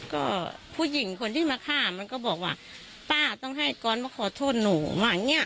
ก็ผู้หญิงคนที่มาฆ่ามันก็บอกว่าป้าต้องให้กรมาขอโทษหนูว่าอย่างเงี้